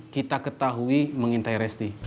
kita ketahui mengintai resti